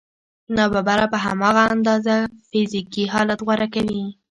ناببره په هماغه اندازه فزیکي حالت غوره کوي